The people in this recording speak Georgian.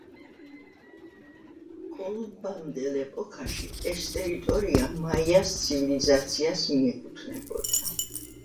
კოლუმბამდელ ეპოქაში, ეს ტერიტორია მაიას ცივილიზაციას მიეკუთვნებოდა.